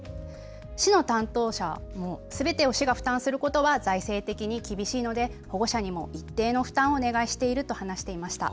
市の担当者もすべてを市が負担することは財政的に厳しいので保護者にも一定の負担をお願いしていると話していました。